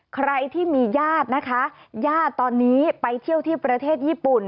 ใครที่มีญาตินะคะญาติตอนนี้ไปเที่ยวที่ประเทศญี่ปุ่น